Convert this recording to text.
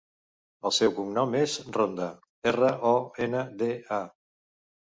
El seu cognom és Ronda: erra, o, ena, de, a.